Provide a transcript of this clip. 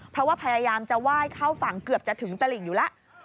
เพราะว่าพยายามจะไหว้เข้าฝั่งเกือบจะถึงตลิ่งอยู่แล้ว